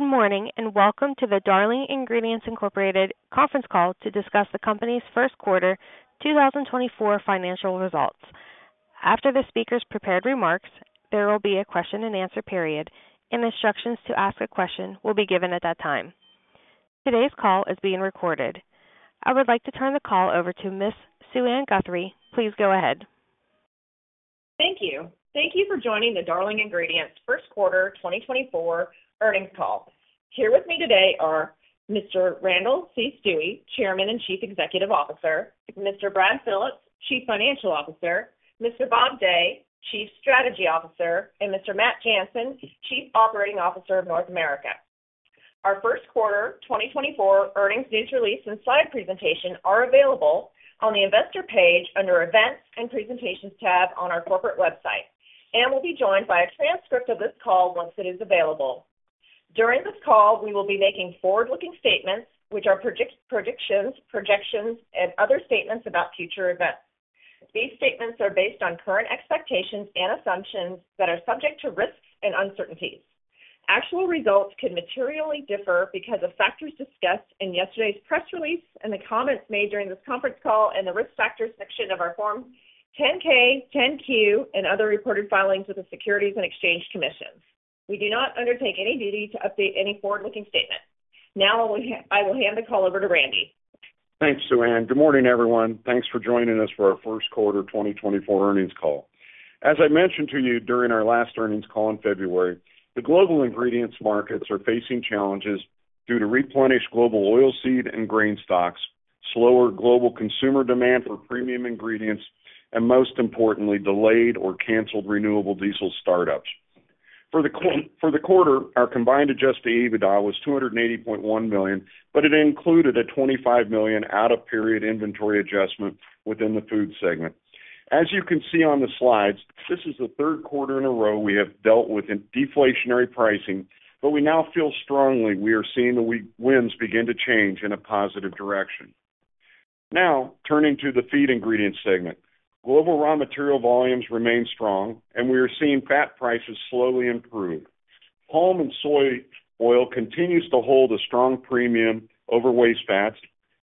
Good morning, and welcome to the Darling Ingredients Incorporated conference call to discuss the company's first quarter, 2024 financial results. After the speaker's prepared remarks, there will be a question-and-answer period, and instructions to ask a question will be given at that time. Today's call is being recorded. I would like to turn the call over to Ms. Suann Guthrie. Please go ahead. Thank you. Thank you for joining the Darling Ingredients first quarter 2024 earnings call. Here with me today are Mr. Randall C. Stuewe, Chairman and Chief Executive Officer, Mr. Brad Phillips, Chief Financial Officer, Mr. Bob Day, Chief Strategy Officer, and Mr. Matt Jansen, Chief Operating Officer of North America. Our first quarter 2024 earnings news release and slide presentation are available on the investor page under Events and Presentations tab on our corporate website and will be joined by a transcript of this call once it is available. During this call, we will be making forward-looking statements, which are predictions, projections, and other statements about future events. These statements are based on current expectations and assumptions that are subject to risks and uncertainties. Actual results could materially differ because of factors discussed in yesterday's press release and the comments made during this conference call and the risk factors section of our Form 10-K, 10-Q, and other reported filings with the Securities and Exchange Commission. We do not undertake any duty to update any forward-looking statement. Now, I will hand the call over to Randy. Thanks, Suann. Good morning, everyone. Thanks for joining us for our first quarter 2024 earnings call. As I mentioned to you during our last earnings call in February, the global ingredients markets are facing challenges due to replenished global oilseed and grain stocks, slower global consumer demand for premium ingredients, and most importantly, delayed or canceled renewable diesel startups. For the quarter, our combined adjusted EBITDA was $280.1 million, but it included a $25 million out-of-period inventory adjustment within the food segment. As you can see on the slides, this is the third quarter in a row we have dealt with in deflationary pricing, but we now feel strongly we are seeing the winds begin to change in a positive direction. Now, turning to the feed ingredients segment. Global raw material volumes remain strong, and we are seeing fat prices slowly improve. Palm and soy oil continues to hold a strong premium over waste fats,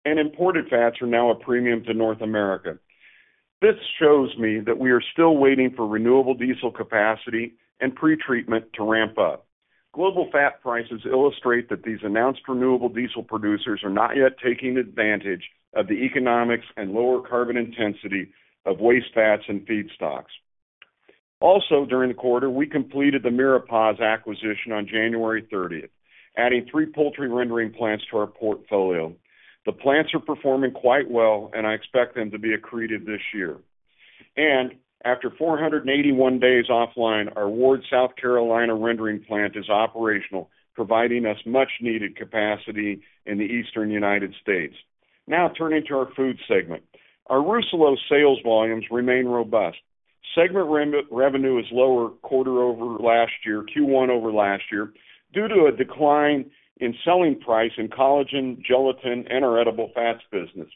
and imported fats are now a premium to North America. This shows me that we are still waiting for renewable diesel capacity and pretreatment to ramp up. Global fat prices illustrate that these announced renewable diesel producers are not yet taking advantage of the economics and lower carbon intensity of waste fats and feedstocks. Also, during the quarter, we completed the Miropasz acquisition on January 30th, adding three poultry rendering plants to our portfolio. The plants are performing quite well, and I expect them to be accretive this year. And after 481 days offline, our Ward, South Carolina, rendering plant is operational, providing us much-needed capacity in the Eastern United States. Now, turning to our food segment. Our Rousselot sales volumes remain robust. Segment revenue is lower quarter over last year, Q1 over last year, due to a decline in selling price in collagen, gelatin, and our edible fats business.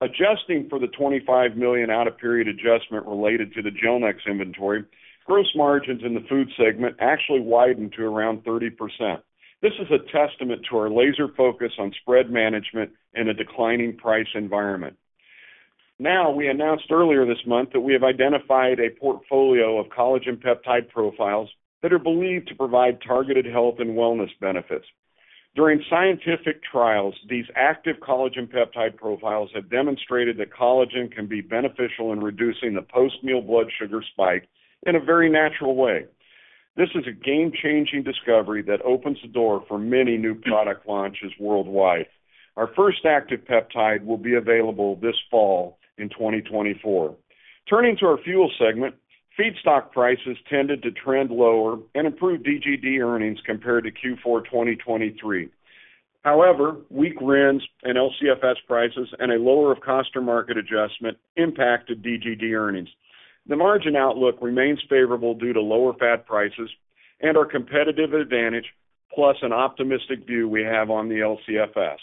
Adjusting for the $25 million out-of-period adjustment related to the Gelnex inventory, gross margins in the food segment actually widened to around 30%. This is a testament to our laser focus on spread management in a declining price environment. Now, we announced earlier this month that we have identified a portfolio of collagen peptide profiles that are believed to provide targeted health and wellness benefits. During scientific trials, these active collagen peptide profiles have demonstrated that collagen can be beneficial in reducing the post-meal blood sugar spike in a very natural way. This is a game-changing discovery that opens the door for many new product launches worldwide. Our first active peptide will be available this fall in 2024. Turning to our fuel segment, feedstock prices tended to trend lower and improved DGD earnings compared to Q4 2023. However, weak RINs and LCFS prices and a lower of cost or market adjustment impacted DGD earnings. The margin outlook remains favorable due to lower fat prices and our competitive advantage, plus an optimistic view we have on the LCFS.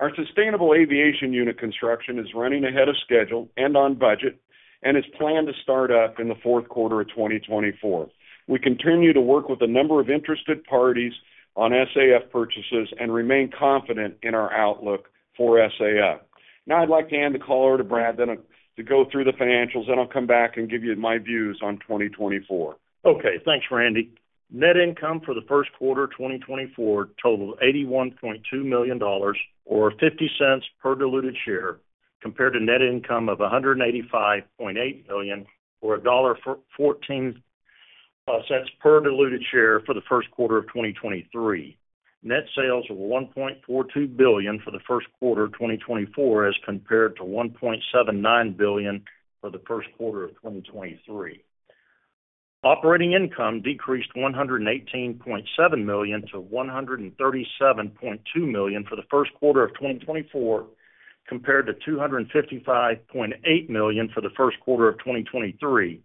Our sustainable aviation unit construction is running ahead of schedule and on budget and is planned to start up in the fourth quarter of 2024. We continue to work with a number of interested parties on SAF purchases and remain confident in our outlook for SAF. Now, I'd like to hand the call over to Brad, then I-- to go through the financials, then I'll come back and give you my views on 2024. Okay, thanks, Randy. Net income for the first quarter 2024 totaled $81.2 million or $0.50 per diluted share, compared to net income of $185.8 million, or $1.14 per diluted share for the first quarter of 2023. Net sales were $1.42 billion for the first quarter of 2024, as compared to $1.79 billion for the first quarter of 2023. Operating income decreased $118.7 million to $137.2 million for the first quarter of 2024, compared to $255.8 million for the first quarter of 2023,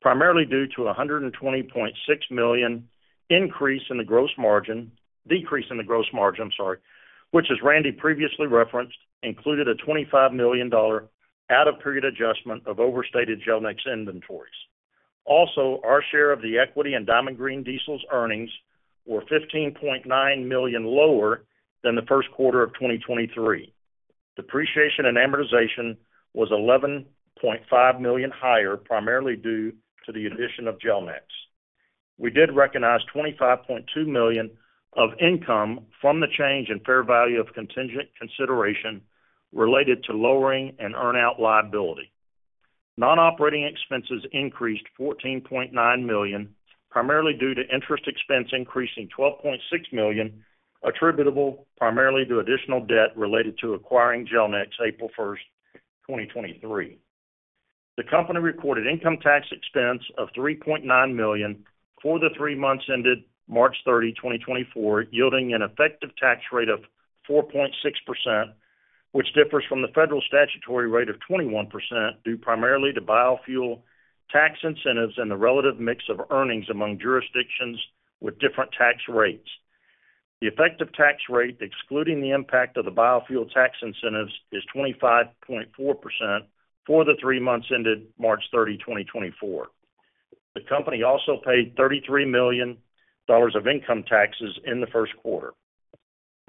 primarily due to a $120.6 million increase in the gross margin-- decrease in the gross margin, I'm sorry, which, as Randy previously referenced, included a $25 million out-of-period adjustment of overstated Gelnex inventories. Also, our share of the equity in Diamond Green Diesel's earnings were $15.9 million lower than the first quarter of 2023. Depreciation and amortization was $11.5 million higher, primarily due to the addition of Gelnex. We did recognize $25.2 million of income from the change in fair value of contingent consideration related to lowering and earn-out liability. Non-operating expenses increased $14.9 million, primarily due to interest expense increasing $12.6 million, attributable primarily to additional debt related to acquiring Gelnex, April 1st, 2023. The company recorded income tax expense of $3.9 million for the three months ended March 30, 2024, yielding an effective tax rate of 4.6%, which differs from the federal statutory rate of 21%, due primarily to biofuel tax incentives and the relative mix of earnings among jurisdictions with different tax rates. The effective tax rate, excluding the impact of the biofuel tax incentives, is 25.4% for the three months ended March 30, 2024. The company also paid $33 million of income taxes in the first quarter.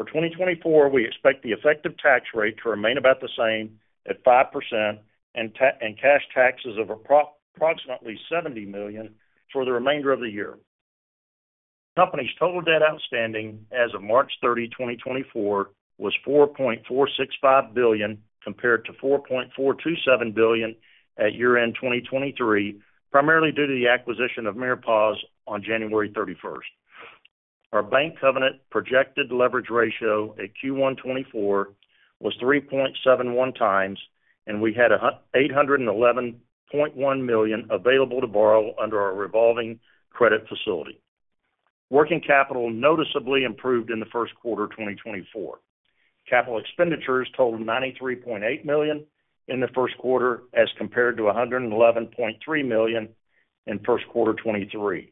For 2024, we expect the effective tax rate to remain about the same at 5% and and cash taxes of approximately $70 million for the remainder of the year. The company's total debt outstanding as of March 30, 2024, was $4.465 billion, compared to $4.427 billion at year-end 2023, primarily due to the acquisition of Miropasz on January 31st. Our bank covenant projected leverage ratio at Q1 2024 was 3.71x, and we had $811.1 million available to borrow under our revolving credit facility. Working capital noticeably improved in the first quarter of 2024. Capital expenditures totaled $93.8 million in the first quarter, as compared to $111.3 million in first quarter 2023.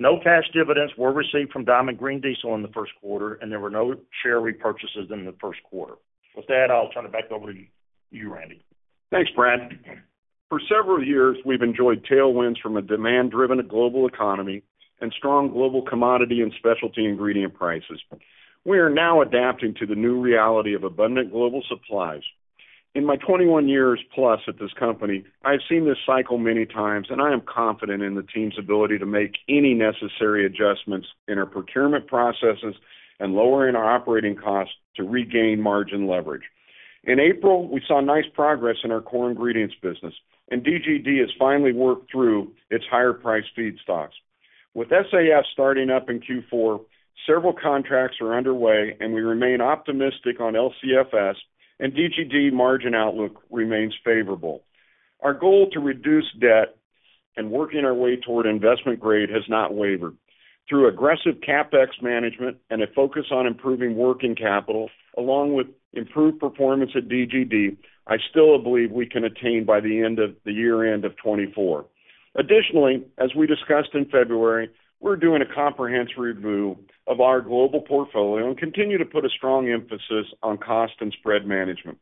No cash dividends were received from Diamond Green Diesel in the first quarter, and there were no share repurchases in the first quarter. With that, I'll turn it back over to you, Randy. Thanks, Brad. For several years, we've enjoyed tailwinds from a demand-driven global economy and strong global commodity and specialty ingredient prices. We are now adapting to the new reality of abundant global supplies. In my 21 years plus at this company, I've seen this cycle many times, and I am confident in the team's ability to make any necessary adjustments in our procurement processes and lowering our operating costs to regain margin leverage. In April, we saw nice progress in our core ingredients business, and DGD has finally worked through its higher-priced feedstocks. With SAF starting up in Q4, several contracts are underway, and we remain optimistic on LCFS, and DGD margin outlook remains favorable. Our goal to reduce debt and working our way toward investment grade has not wavered. Through aggressive CapEx management and a focus on improving working capital, along with improved performance at DGD, I still believe we can attain by the end of the year-end of 2024. Additionally, as we discussed in February, we're doing a comprehensive review of our global portfolio and continue to put a strong emphasis on cost and spread management.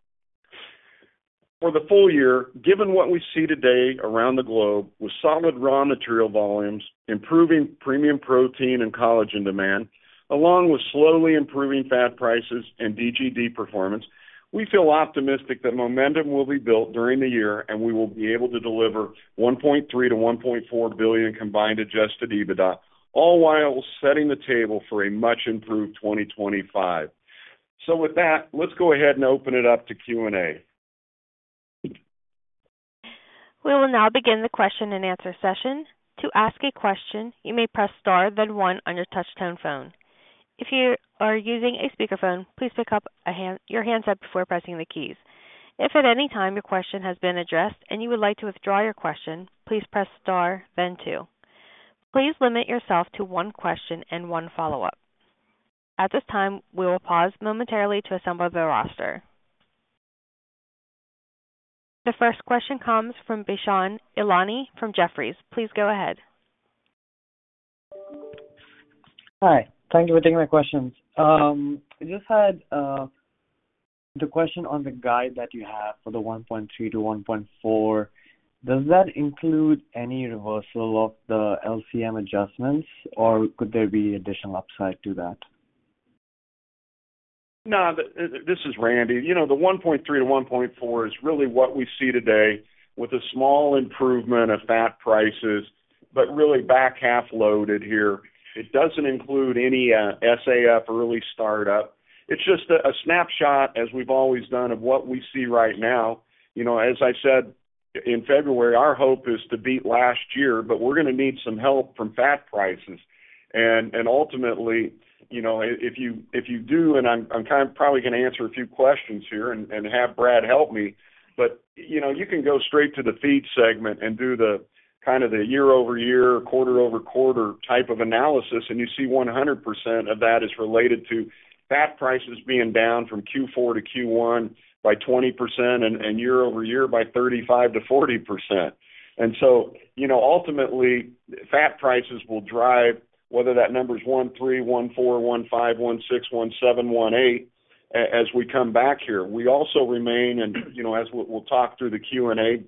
For the full year, given what we see today around the globe, with solid raw material volumes, improving premium protein and collagen demand, along with slowly improving fat prices and DGD performance, we feel optimistic that momentum will be built during the year, and we will be able to deliver $1.3 billion-$1.4 billion combined adjusted EBITDA, all while setting the table for a much improved 2025. So with that, let's go ahead and open it up to Q&A. We will now begin the question-and-answer session. To ask a question, you may press star, then one on your touchtone phone. If you are using a speakerphone, please pick up the handset before pressing the keys. If at any time your question has been addressed and you would like to withdraw your question, please press star, then two. Please limit yourself to one question and one follow-up. At this time, we will pause momentarily to assemble the roster. The first question comes from Dushyant Ailani from Jefferies. Please go ahead. Hi, thank you for taking my questions. I just had the question on the guide that you have for the $1.3-$1.4. Does that include any reversal of the LCM adjustments, or could there be additional upside to that? No, this is Randy. You know, the $1.3-$1.4 is really what we see today with a small improvement of fat prices, but really back half loaded here. It doesn't include any SAF early start up. It's just a snapshot, as we've always done, of what we see right now. You know, as I said in February, our hope is to beat last year, but we're gonna need some help from fat prices. And ultimately, you know, if you do, and I'm kind of probably gonna answer a few questions here and have Brad help me. But, you know, you can go straight to the feed segment and do the kind of the year-over-year, quarter-over-quarter type of analysis, and you see 100% of that is related to fat prices being down from Q4 to Q1 by 20% and year over year by 35%-40%. And so, you know, ultimately, fat prices will drive whether that number is 1.3, 1.4, 1.5, 1.6, 1.7, 1.8.... as we come back here. We also remain, and, you know, as we'll, we'll talk through the Q&A,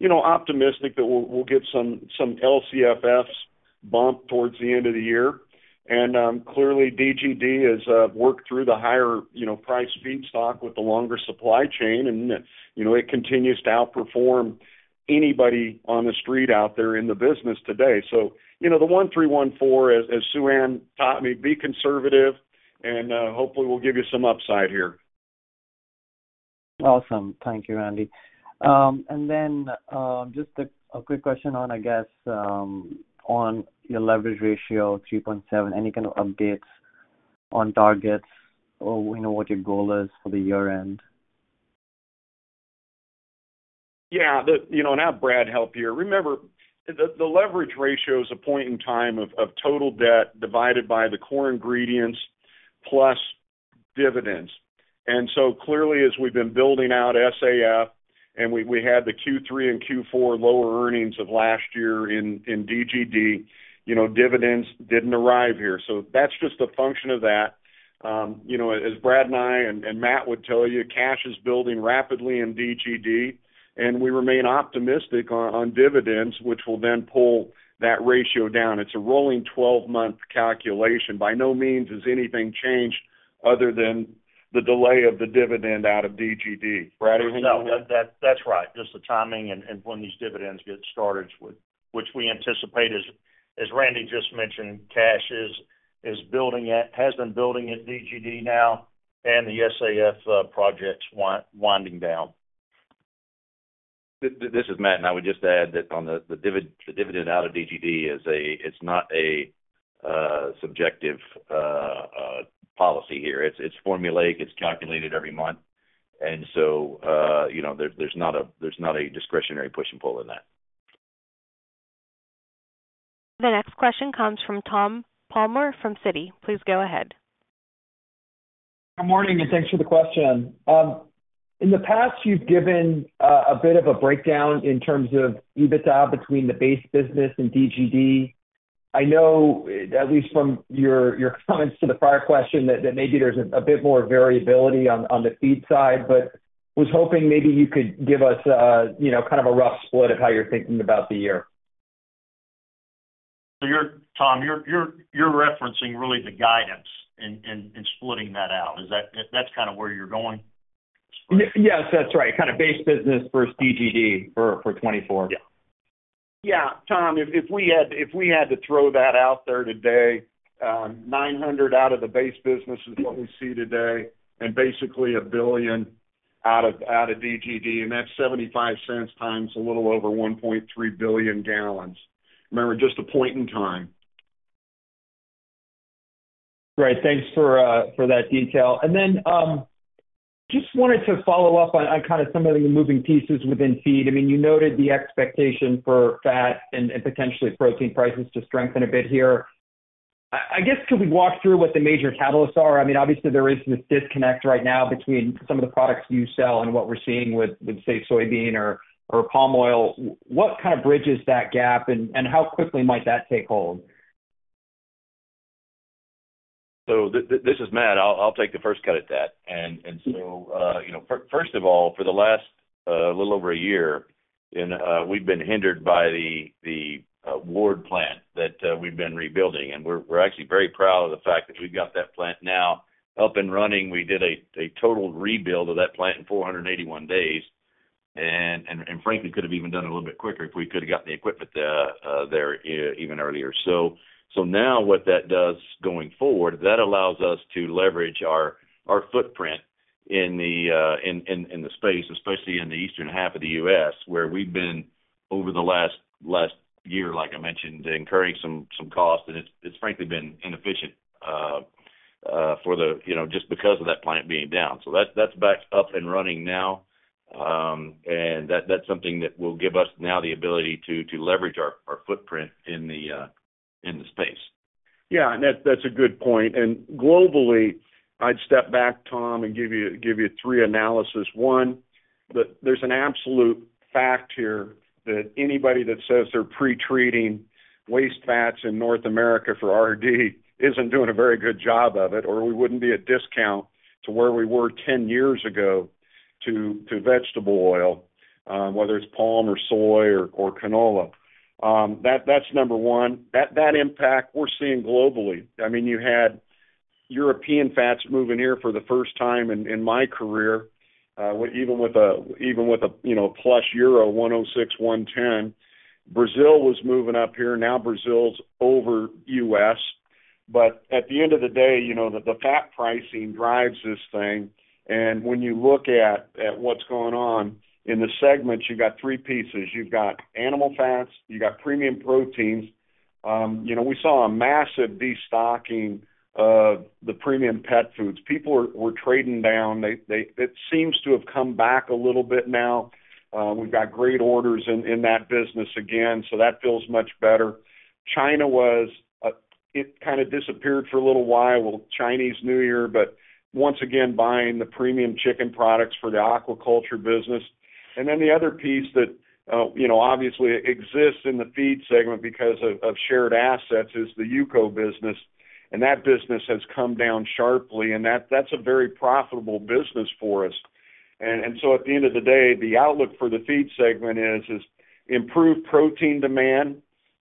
you know, optimistic that we'll, we'll get some, some LCFS bump towards the end of the year. And, clearly, DGD has worked through the higher, you know, price feedstock with the longer supply chain, and, you know, it continues to outperform anybody on the street out there in the business today. So, you know, the 1, 3, 1, 4, as Suann taught me, be conservative, and hopefully, we'll give you some upside here. Awesome. Thank you, Randy. And then, just a quick question on, I guess, on your leverage ratio, 3.7. Any kind of updates on targets, or we know what your goal is for the year-end? Yeah, you know, and I'll have Brad help here. Remember, the leverage ratio is a point in time of total debt divided by the core ingredients plus dividends. And so clearly, as we've been building out SAF, and we had the Q3 and Q4 lower earnings of last year in DGD, you know, dividends didn't arrive here. So that's just a function of that. You know, as Brad and I and Matt would tell you, cash is building rapidly in DGD, and we remain optimistic on dividends, which will then pull that ratio down. It's a rolling twelve-month calculation. By no means has anything changed other than the delay of the dividend out of DGD. Brad, anything you want to- No, that's right. Just the timing and when these dividends get started, which we anticipate, as Randy just mentioned, cash has been building at DGD now, and the SAF project's winding down. This is Matt, and I would just add that on the dividend out of DGD. It's not a subjective policy here. It's formulaic, it's calculated every month. And so, you know, there's not a discretionary push and pull in that. The next question comes from Tom Palmer, from Citi. Please go ahead. Good morning, and thanks for the question. In the past, you've given a bit of a breakdown in terms of EBITDA between the base business and DGD. I know, at least from your comments to the prior question, that maybe there's a bit more variability on the feed side, but was hoping maybe you could give us, you know, kind of a rough split of how you're thinking about the year. So you're, Tom, you're referencing really the guidance in splitting that out. Is that, that's kind of where you're going? Yes, that's right. Kind of base business versus DGD for 2024. Yeah. Yeah, Tom, if we had to throw that out there today, $900 million out of the base business is what we see today, and basically $1 billion out of DGD, and that's $0.75x a little over 1.3 billion gal. Remember, just a point in time. Great. Thanks for that detail. And then, just wanted to follow up on kind of some of the moving pieces within feed. I mean, you noted the expectation for fat and potentially protein prices to strengthen a bit here. I guess, could we walk through what the major catalysts are? I mean, obviously, there is this disconnect right now between some of the products you sell and what we're seeing with, say, soybean or palm oil. What kind of bridges that gap, and how quickly might that take hold? So this is Matt. I'll take the first cut at that. You know, first of all, for the last little over a year, we've been hindered by the Ward plant that we've been rebuilding, and we're actually very proud of the fact that we've got that plant now up and running. We did a total rebuild of that plant in 481 days, and frankly, could have even done it a little bit quicker if we could have gotten the equipment there even earlier. So now what that does going forward, that allows us to leverage our footprint in the space, especially in the eastern half of the U.S., where we've been over the last year, like I mentioned, incurring some costs, and it's frankly been inefficient, you know, just because of that plant being down. So that's back up and running now, and that's something that will give us now the ability to leverage our footprint in the space. Yeah, and that's a good point. And globally, I'd step back, Tom, and give you three analysis. One, there's an absolute fact here that anybody that says they're pretreating waste fats in North America for RD isn't doing a very good job of it, or we wouldn't be at discount to where we were 10 years ago to vegetable oil, whether it's palm or soy or canola. That, that's number one. That impact we're seeing globally. I mean, you had European fats moving here for the first time in my career, even with a, even with a, you know, plus euro 1.06, euro 1.10. Brazil was moving up here, now Brazil's over U.S. But at the end of the day, you know, the fat pricing drives this thing, and when you look at what's going on in the segments, you've got three pieces: you've got animal fats, you've got premium proteins. You know, we saw a massive destocking of the premium pet foods. People were trading down. It seems to have come back a little bit now. We've got great orders in that business again, so that feels much better. China was, it kind of disappeared for a little while, Chinese New Year, but once again, buying the premium chicken products for the aquaculture business.... And then the other piece that, you know, obviously exists in the feed segment because of shared assets is the Yuko business, and that business has come down sharply, and that's a very profitable business for us. And so at the end of the day, the outlook for the feed segment is improved protein demand,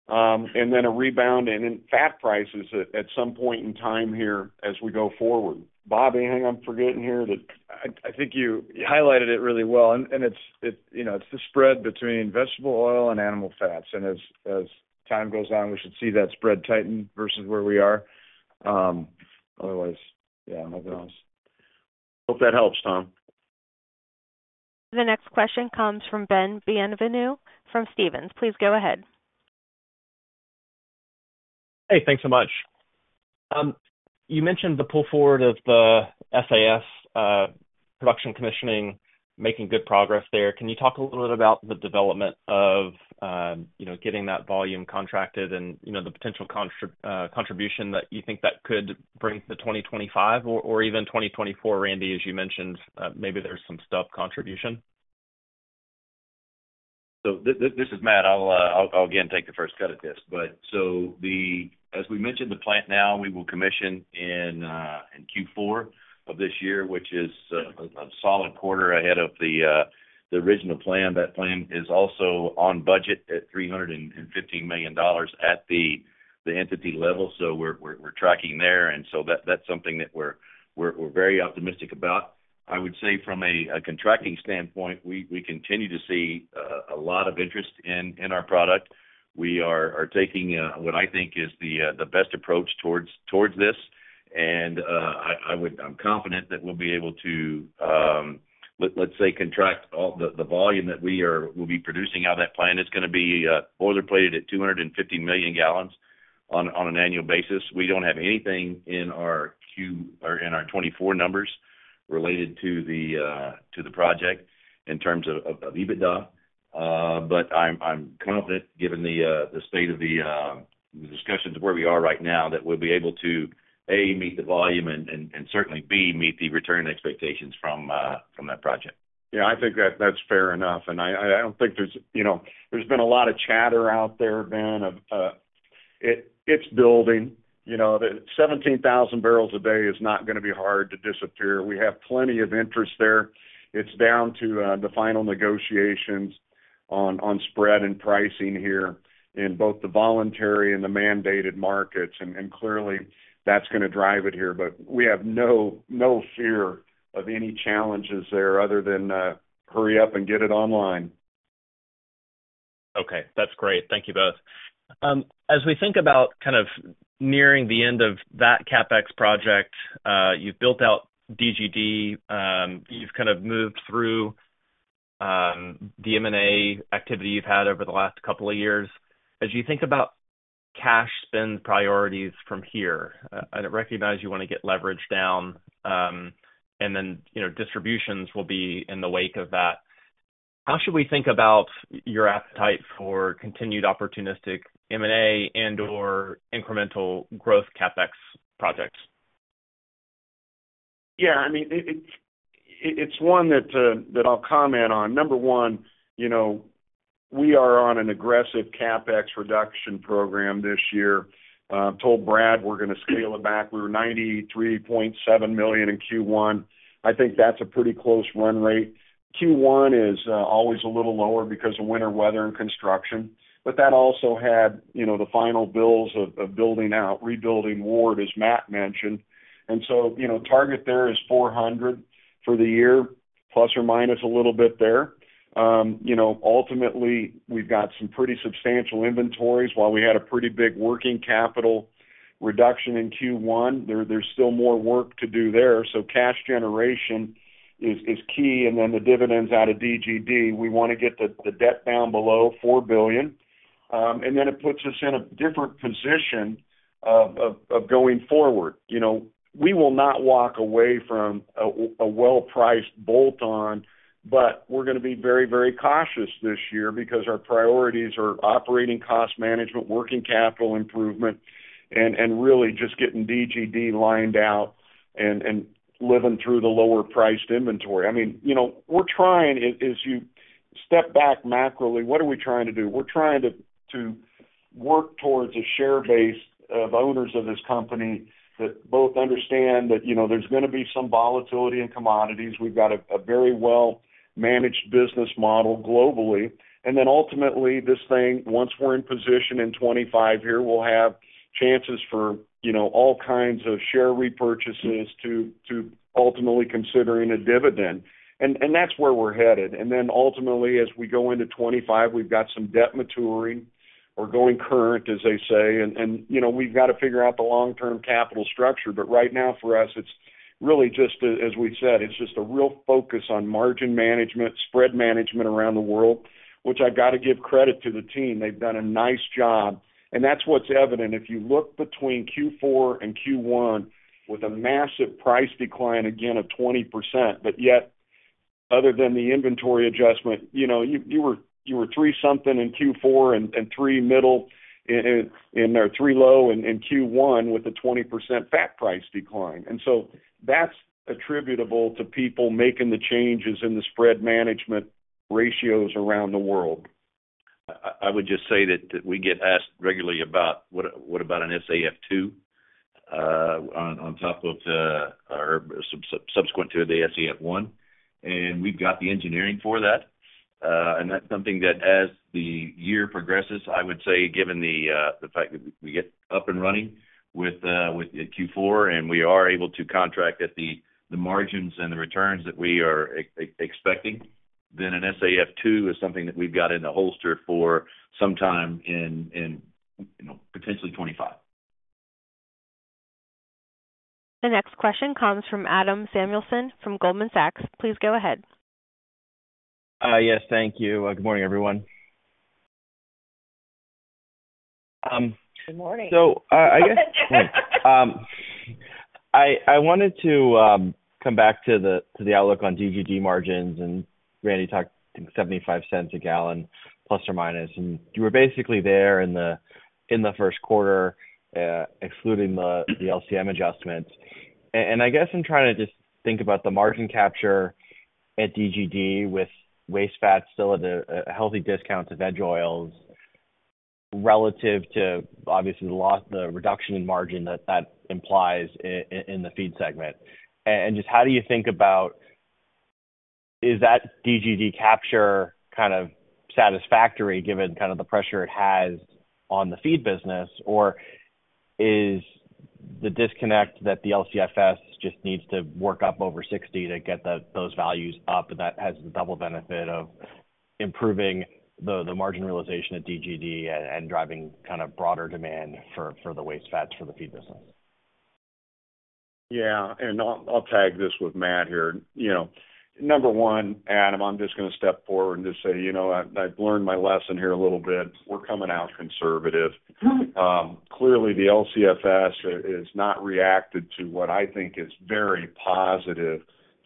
and then a rebound in fat prices at some point in time here as we go forward. Bobby, anything I'm forgetting here that- I think you highlighted it really well. And it's, you know, it's the spread between vegetable oil and animal fats, and as time goes on, we should see that spread tighten versus where we are. Otherwise, yeah, nothing else. Hope that helps, Tom. The next question comes from Ben Bienvenu from Stephens. Please go ahead. Hey, thanks so much. You mentioned the pull forward of the SAF production commissioning, making good progress there. Can you talk a little bit about the development of, you know, getting that volume contracted and, you know, the potential contribution that you think that could bring to 2025 or, or even 2024, Randy, as you mentioned, maybe there's some stuff contribution? So this is Matt. I'll, I'll, again, take the first cut at this. But as we mentioned, the plant now, we will commission in Q4 of this year, which is a solid quarter ahead of the original plan. That plan is also on budget at $315 million at the entity level. So we're tracking there, and so that's something that we're very optimistic about. I would say from a contracting standpoint, we continue to see a lot of interest in our product. We are taking what I think is the best approach towards this, and I would, I'm confident that we'll be able to, let's say, contract all the volume that we'll be producing out of that plant. It's gonna be boiler plated at 250 million gal on an annual basis. We don't have anything in our Q or in our 2024 numbers related to the project in terms of EBITDA. But I'm confident, given the state of the discussions of where we are right now, that we'll be able to, A, meet the volume and certainly, B, meet the return expectations from that project. Yeah, I think that's fair enough, and I don't think there's—you know, there's been a lot of chatter out there, Ben, of it, it's building. You know, the 17,000 barrels a day is not gonna be hard to disappear. We have plenty of interest there. It's down to the final negotiations on spread and pricing here in both the voluntary and the mandated markets, and clearly, that's gonna drive it here. But we have no fear of any challenges there other than hurry up and get it online. Okay, that's great. Thank you both. As we think about kind of nearing the end of that CapEx project, you've built out DGD, you've kind of moved through the M&A activity you've had over the last couple of years. As you think about cash spend priorities from here, and I recognize you wanna get leverage down, and then, you know, distributions will be in the wake of that, how should we think about your appetite for continued opportunistic M&A and/or incremental growth CapEx projects? Yeah, I mean, it's one that I'll comment on. Number one, you know, we are on an aggressive CapEx reduction program this year. I told Brad we're gonna scale it back. We were $93.7 million in Q1. I think that's a pretty close run rate. Q1 is always a little lower because of winter weather and construction, but that also had, you know, the final bills of building out, rebuilding Ward, as Matt mentioned. And so, you know, target there is $400 million for the year, plus or minus a little bit there. You know, ultimately, we've got some pretty substantial inventories. While we had a pretty big working capital reduction in Q1, there's still more work to do there. So cash generation is key, and then the dividends out of DGD. We wanna get the debt down below $4 billion, and then it puts us in a different position of going forward. You know, we will not walk away from a well-priced bolt-on, but we're gonna be very, very cautious this year because our priorities are operating cost management, working capital improvement, and really just getting DGD lined out and living through the lower priced inventory. I mean, you know, we're trying—as you step back macroly, what are we trying to do? We're trying to work towards a share base of owners of this company that both understand that, you know, there's gonna be some volatility in commodities. We've got a very well managed business model globally. And then ultimately, this thing, once we're in position in 2025 here, we'll have chances for, you know, all kinds of share repurchases to, to ultimately considering a dividend. And, and that's where we're headed. And then ultimately, as we go into 2025, we've got some debt maturing or going current, as they say, and, and, you know, we've got to figure out the long-term capital structure. But right now, for us, it's really just as, as we've said, it's just a real focus on margin management, spread management around the world, which I've got to give credit to the team. They've done a nice job, and that's what's evident. If you look between Q4 and Q1 with a massive price decline, again, of 20%, but yet, other than the inventory adjustment, you know, you were three something in Q4 and three middle in or three low in Q1 with a 20% fat price decline. And so that's attributable to people making the changes in the spread management ratios around the world. ... I would just say that we get asked regularly about what about an SAF two, on top of the, or subsequent to the SAF one? And we've got the engineering for that. And that's something that as the year progresses, I would say, given the fact that we get up and running with Q4, and we are able to contract at the margins and the returns that we are expecting, then an SAF two is something that we've got in the holster for some time in, you know, potentially 2025. The next question comes from Adam Samuelson, from Goldman Sachs. Please go ahead. Yes, thank you. Good morning, everyone. Good morning. So, I guess, I wanted to come back to the outlook on DGD margins, and Randy talked $0.75 a gal, ±, and you were basically there in the first quarter, excluding the LCM adjustments. And I guess I'm trying to just think about the margin capture at DGD with waste fat still at a healthy discount to veg oils, relative to, obviously, the reduction in margin that implies in the feed segment. And just how do you think about, is that DGD capture kind of satisfactory, given kind of the pressure it has on the feed business? Or is the disconnect that the LCFS just needs to work up over 60 to get the, those values up, and that has the double benefit of improving the, the margin realization at DGD and driving kind of broader demand for, for the waste fats, for the feed business? Yeah, and I'll tag this with Matt here. You know, number one, Adam, I'm just gonna step forward and just say, you know what? I've learned my lesson here a little bit. We're coming out conservative. Clearly, the LCFS has not reacted to what I think is very positive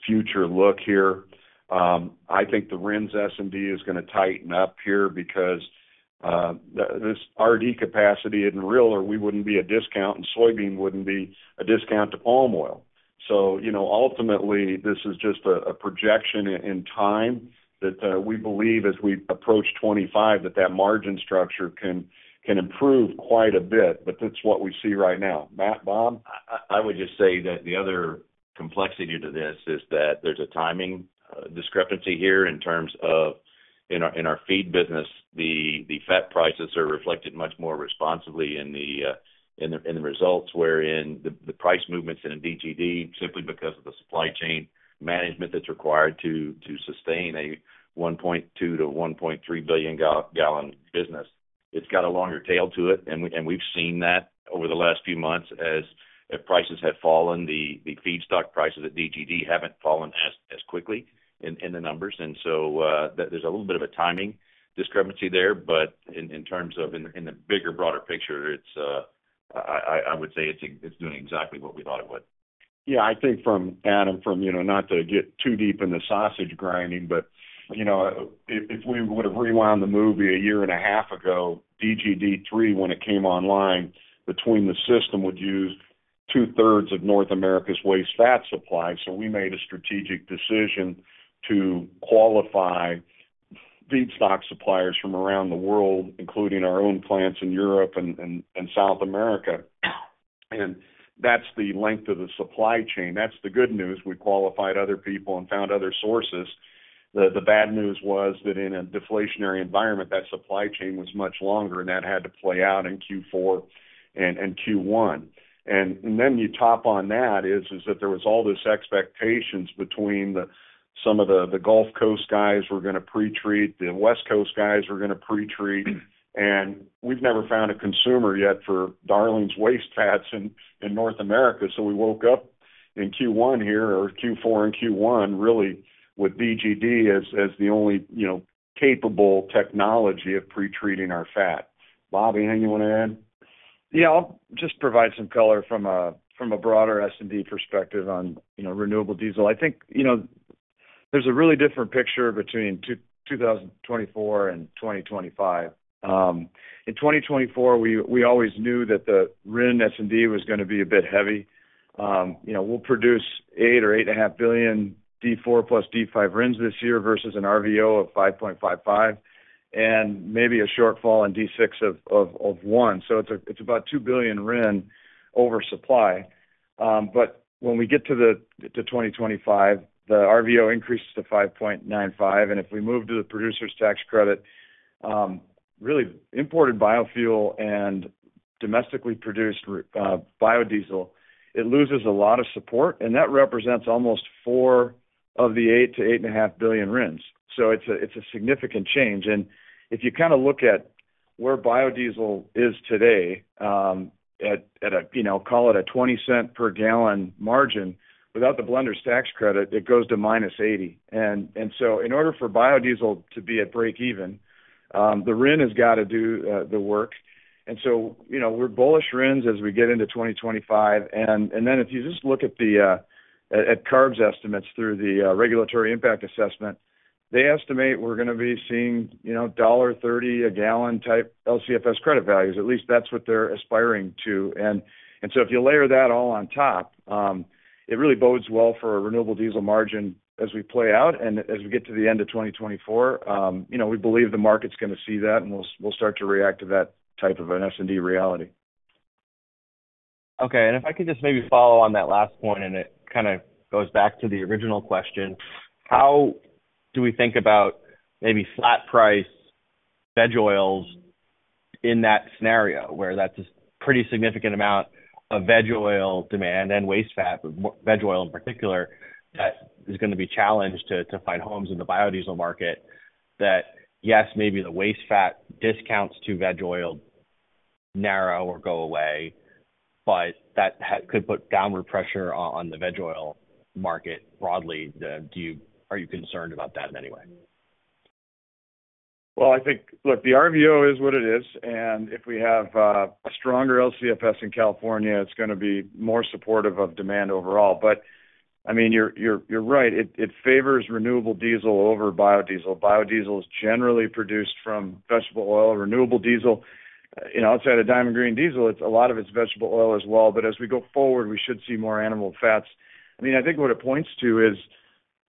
future look here. I think the RINs S&D is gonna tighten up here because the this RD capacity isn't real, or we wouldn't be at discount, and soybean wouldn't be a discount to palm oil. So, you know, ultimately, this is just a projection in time, that we believe as we approach 2025, that that margin structure can improve quite a bit, but that's what we see right now. Matt, Bob? I would just say that the other complexity to this is that there's a timing discrepancy here in terms of in our feed business, the fat prices are reflected much more responsibly in the results, wherein the price movements in a DGD, simply because of the supply chain management that's required to sustain a 1.2 billion gal-1.3 billion gal business. It's got a longer tail to it, and we've seen that over the last few months as prices have fallen, the feedstock prices at DGD haven't fallen as quickly in the numbers. And so, there's a little bit of a timing discrepancy there, but in terms of the bigger, broader picture, I would say it's doing exactly what we thought it would. Yeah, I think from Adam, you know, not to get too deep in the sausage grinding, but, you know, if we would've rewound the movie a year and a half ago, DGD three, when it came online, between the system, would use two-thirds of North America's waste fat supply. So we made a strategic decision to qualify feedstock suppliers from around the world, including our own plants in Europe and South America. And that's the length of the supply chain. That's the good news. We qualified other people and found other sources. The bad news was that in a deflationary environment, that supply chain was much longer, and that had to play out in Q4 and Q1. Then, on top of that, there was all this expectation that some of the Gulf Coast guys were gonna pre-treat, the West Coast guys were gonna pre-treat, and we've never found a consumer yet for Darling's waste fats in North America. So we woke up in Q1 here, or Q4 and Q1, really, with DGD as the only, you know, capable technology of pre-treating our fat. Bobby, anything you wanna add? Yeah, I'll just provide some color from a broader S&D perspective on, you know, renewable diesel. I think, you know, there's a really different picture between 2024 and 2025. In 2024, we always knew that the RIN S&D was gonna be a bit heavy. You know, we'll produce 8 billion or 8.5 billion D4 + D5 RINs this year versus an RVO of 5.55, and maybe a shortfall in D6 of one. So it's about 2 billion RIN oversupply. But when we get to 2025, the RVO increases to 5.95, and if we move to the producer's tax credit, really, imported biofuel and domestically produced biodiesel, it loses a lot of support, and that represents almost four of the 8 billion-8.5 billion RINs. So it's a significant change. And if you kinda look at where biodiesel is today, at a, you know, call it a $0.20 per gal margin, without the blender's tax credit, it goes to -$0.80. And so in order for biodiesel to be at break even, the RIN has got to do the work. And so, you know, we're bullish RINs as we get into 2025. Then if you just look at the at CARB's estimates through the regulatory impact assessment, they estimate we're gonna be seeing, you know, $30 a gal type LCFS credit values. At least that's what they're aspiring to. And so if you layer that all on top, it really bodes well for a renewable diesel margin as we play out. And as we get to the end of 2024, you know, we believe the market's gonna see that, and we'll start to react to that type of an S&D reality.... Okay, and if I could just maybe follow on that last point, and it kind of goes back to the original question. How do we think about maybe flat price veg oils in that scenario, where that's a pretty significant amount of veg oil demand and waste fat, but veg oil in particular, that is gonna be challenged to find homes in the biodiesel market? That, yes, maybe the waste fat discounts to veg oil narrow or go away, but that could put downward pressure on the veg oil market broadly. Are you concerned about that in any way? Well, I think, look, the RVO is what it is, and if we have a stronger LCFS in California, it's gonna be more supportive of demand overall. But, I mean, you're right. It favors renewable diesel over biodiesel. Biodiesel is generally produced from vegetable oil. Renewable diesel, you know, outside of Diamond Green Diesel, it's a lot of it's vegetable oil as well. But as we go forward, we should see more animal fats. I mean, I think what it points to is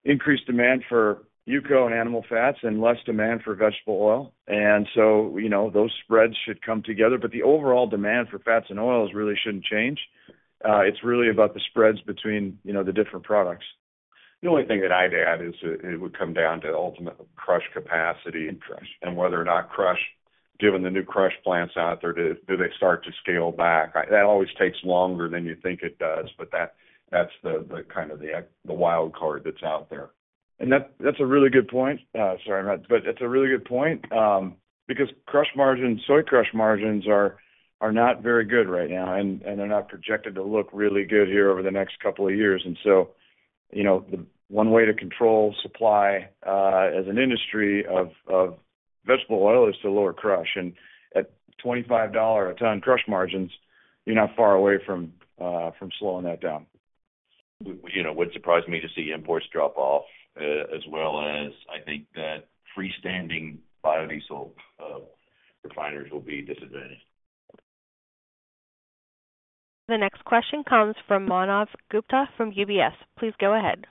increased demand for UCO and animal fats and less demand for vegetable oil. And so, you know, those spreads should come together, but the overall demand for fats and oils really shouldn't change. It's really about the spreads between, you know, the different products. The only thing that I'd add is it would come down to ultimate crush capacity and crush, and whether or not crush, given the new crush plants out there, do they start to scale back? That always takes longer than you think it does, but that's the kind of wild card that's out there. And that, that's a really good point. Sorry, Matt, but that's a really good point, because crush margins, soy crush margins are, are not very good right now, and, and they're not projected to look really good here over the next couple of years. And so, you know, the one way to control supply, as an industry of, of vegetable oil is to lower crush. And at $25 a ton crush margins, you're not far away from, from slowing that down. you know, it would surprise me to see imports drop off, as well as I think that freestanding biodiesel refiners will be disadvantaged. The next question comes from Manav Gupta from UBS. Please go ahead.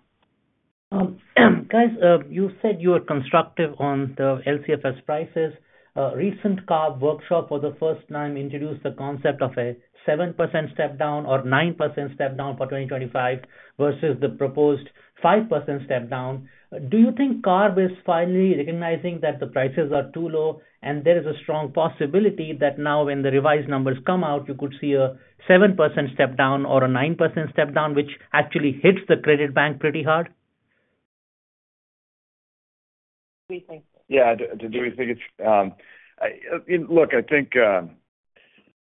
Guys, you said you were constructive on the LCFS prices. Recent CARB workshop for the first time introduced the concept of a 7% step down or 9% step down for 2025 versus the proposed 5% step down. Do you think CARB is finally recognizing that the prices are too low, and there is a strong possibility that now when the revised numbers come out, you could see a 7% step down or a 9% step down, which actually hits the credit bank pretty hard? Yeah. Do we think it's? Look, I think,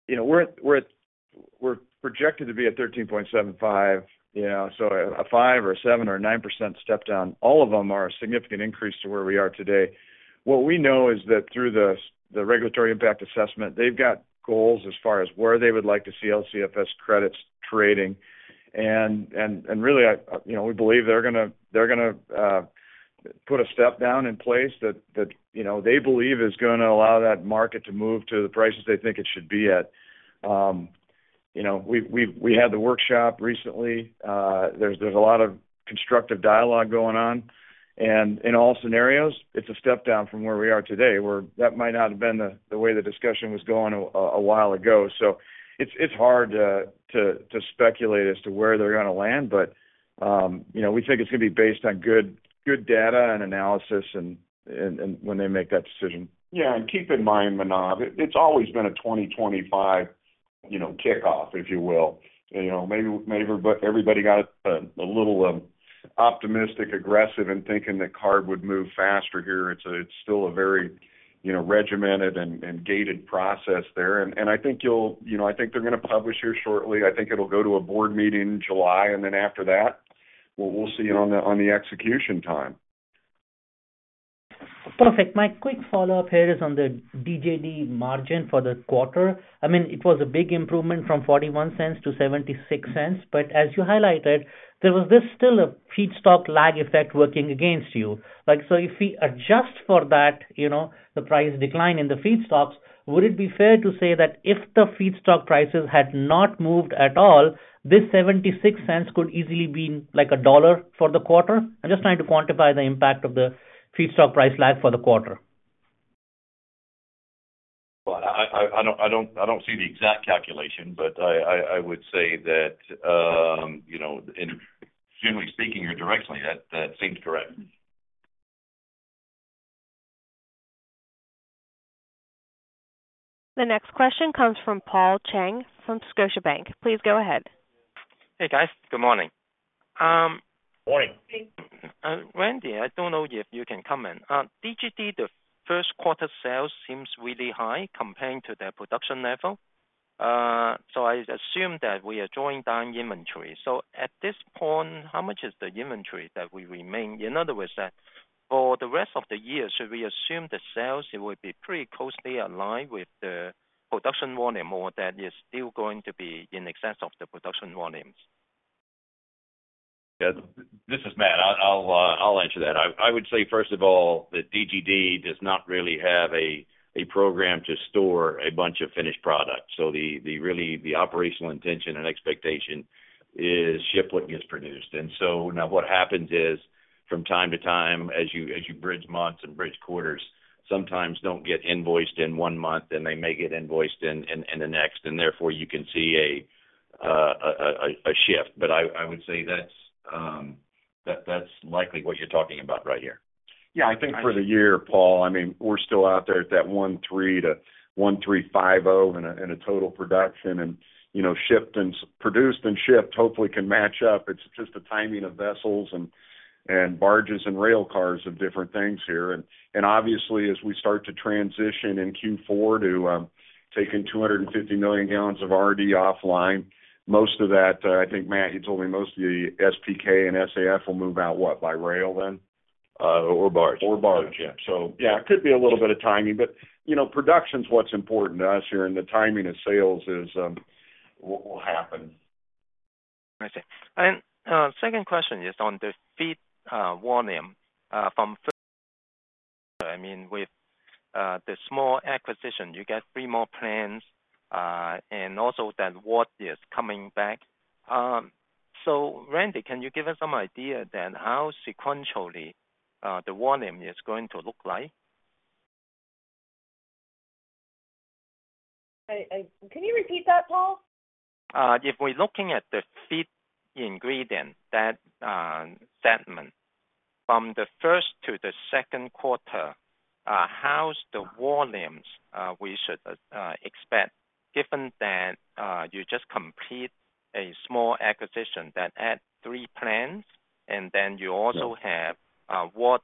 you know, we're projected to be at 13.75, you know, so a 5% or a 7% or a 9% step down, all of them are a significant increase to where we are today. What we know is that through the regulatory impact assessment, they've got goals as far as where they would like to see LCFS credits trading. And really, I, you know, we believe they're gonna put a step down in place that, you know, they believe is gonna allow that market to move to the prices they think it should be at. You know, we've had the workshop recently. There's a lot of constructive dialogue going on. In all scenarios, it's a step down from where we are today, where that might not have been the way the discussion was going a while ago. So it's hard to speculate as to where they're gonna land, but you know, we think it's gonna be based on good data and analysis and when they make that decision. Yeah, and keep in mind, Manav, it, it's always been a 2025, you know, kickoff, if you will. You know, maybe, maybe everybody got a, a little, optimistic, aggressive in thinking that CARB would move faster here. It's a, it's still a very, you know, regimented and, and gated process there. And, and I think you'll... You know, I think they're gonna publish here shortly. I think it'll go to a board meeting in July, and then after that, we, we'll see on the, on the execution time. Perfect. My quick follow-up here is on the DGD margin for the quarter. I mean, it was a big improvement from $0.41 to $0.76, but as you highlighted, there was this still a feedstock lag effect working against you. Like, so if we adjust for that, you know, the price decline in the feedstocks, would it be fair to say that if the feedstock prices had not moved at all, this $0.76 could easily been like $1 for the quarter? I'm just trying to quantify the impact of the feedstock price lag for the quarter. Well, I don't see the exact calculation, but I would say that, you know, and generally speaking or directly, that seems correct. The next question comes from Paul Cheng, from Scotiabank. Please go ahead. Hey, guys. Good morning. Morning. Hey. Randy, I don't know if you can comment. DGD, the first quarter sales seems really high comparing to their production level. So I assume that we are drawing down inventory. So at this point, how much is the inventory that we remain? In other words, for the rest of the year, should we assume the sales, it would be pretty closely aligned with the production volume, or that is still going to be in excess of the production volumes? Yeah. This is Matt. I'll answer that. I would say, first of all, that DGD does not really have a program to store a bunch of finished products. So, really, the operational intention and expectation is ship what gets produced. And so now what happens is- ... from time to time, as you bridge months and quarters, sometimes don't get invoiced in one month, and they may get invoiced in the next, and therefore, you can see a shift. But I would say that's likely what you're talking about right here. Yeah, I think for the year, Paul, I mean, we're still out there at that 1,3 to 1.350 in a total production and, you know, shipped and produced and shipped, hopefully can match up. It's just the timing of vessels and barges and rail cars of different things here. And obviously, as we start to transition in Q4 to taking 250 million gal of already offline, most of that, I think, Matt, you told me most of the SPK and SAF will move out, what, by rail then? or barge. Or barge. Yeah. So yeah, it could be a little bit of timing, but, you know, production's what's important to us here, and the timing of sales is what will happen. I see. Second question is on the feed volume from, I mean, with the small acquisition, you get three more plants, and also that Ward is coming back. So, Randy, can you give us some idea then, how sequentially the volume is going to look like? Can you repeat that, Paul? If we're looking at the feed ingredient, that, segment from the first to the second quarter, how's the volumes, we should, expect, given that, you just complete a small acquisition that add three plants, and then you also have, what,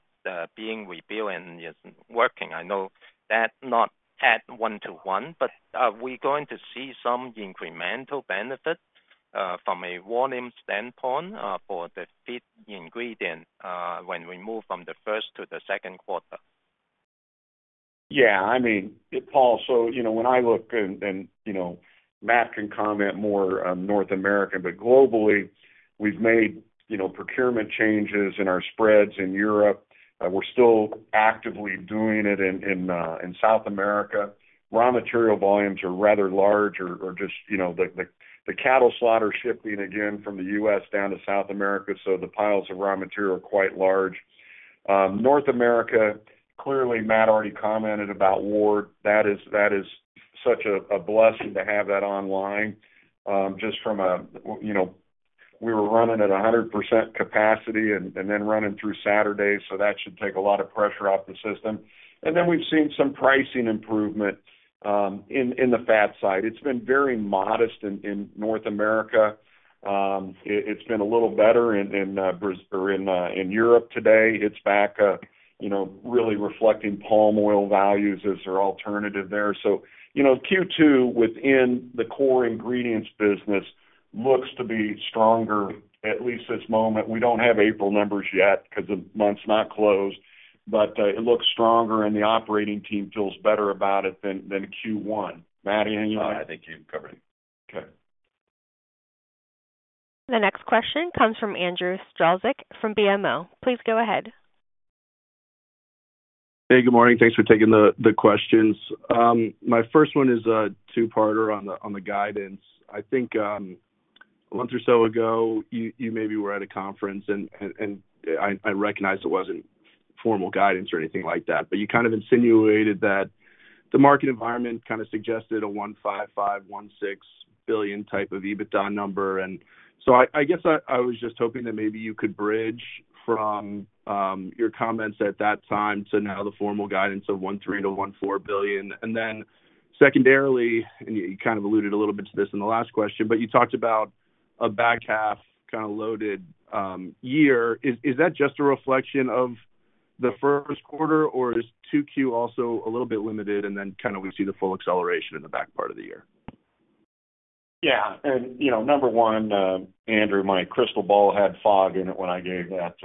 being rebuilt and is working? I know that not at one to one, but, we're going to see some incremental benefit, from a volume standpoint, for the feed ingredient, when we move from the first to the second quarter. Yeah, I mean, Paul, so you know, when I look and Matt can comment more on North America, but globally, we've made, you know, procurement changes in our spreads in Europe. We're still actively doing it in South America. Raw material volumes are rather large or just, you know, the cattle slaughter shifting again from the U.S. down to South America, so the piles of raw material are quite large. North America, clearly, Matt already commented about Ward. That is such a blessing to have that online, just from a, you know, we were running at 100% capacity and then running through Saturday, so that should take a lot of pressure off the system. And then we've seen some pricing improvement in the fat side. It's been very modest in North America. It's been a little better in Europe today. It's back, you know, really reflecting palm oil values as our alternative there. So, you know, Q2, within the core ingredients business, looks to be stronger, at least this moment. We don't have April numbers yet because the month's not closed, but it looks stronger and the operating team feels better about it than Q1. Matt, anything you want to add? No, I think you covered it. Okay. The next question comes from Andrew Strelzik, from BMO. Please go ahead. Hey, good morning. Thanks for taking the questions. My first one is a two-parter on the guidance. I think a month or so ago, you maybe were at a conference and I recognize it wasn't formal guidance or anything like that, but you kind of insinuated that the market environment kind of suggested a $1.55 billion-$1.6 billion type of EBITDA number. And so I guess I was just hoping that maybe you could bridge from your comments at that time to now the formal guidance of $1.3 billion-$1.4 billion. And then secondarily, and you kind of alluded a little bit to this in the last question, but you talked about a back half kind of loaded year. Is that just a reflection of the first quarter, or is 2Q also a little bit limited and then kind of we see the full acceleration in the back part of the year? Yeah. And, you know, number one, Andrew, my crystal ball had fog in it when I gave that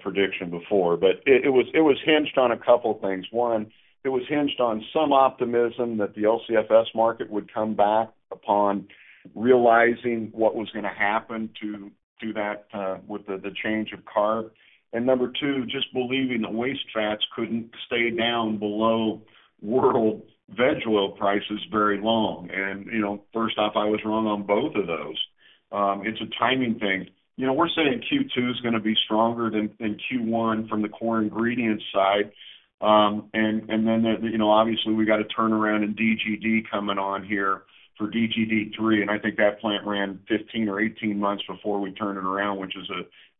prediction before, but it, it was, it was hinged on a couple things. One, it was hinged on some optimism that the LCFS market would come back upon realizing what was gonna happen to, to that, with the, the change of CARB. And number two, just believing that waste fats couldn't stay down below world veg oil prices very long. And, you know, first off, I was wrong on both of those. It's a timing thing. You know, we're saying Q2 is gonna be stronger than, than Q1 from the core ingredient side. And then, you know, obviously, we got a turnaround in DGD coming on here for DGD3, and I think that plant ran 15 months or 18 months before we turned it around, which is